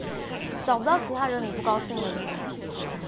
找不到其他惹你不高興的理由